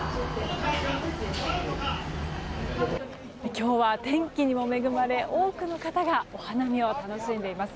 今日は天気にも恵まれ多くの方がお花見を楽しんでいます。